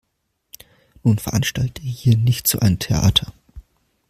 Nun veranstalte hier nicht so ein Theater.